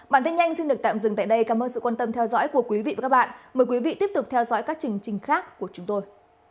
bản tin nhanh xin được tạm dừng tại đây cảm ơn sự quan tâm theo dõi của quý vị và các bạn mời quý vị tiếp tục theo dõi các chương trình khác của chúng tôi